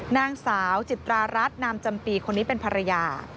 นางสาวจิตรารัฐนามจำปีคนนี้เป็นภรรยา